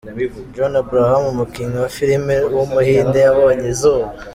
John Abraham, umukinnyi wa filime w’umuhinde yabonye izuba.